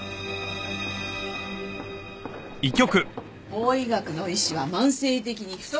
法医学の医師は慢性的に不足している。